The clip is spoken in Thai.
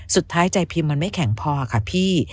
สุดท้ายใจพิมพ์มันไม่แข็งพอค่ะพี่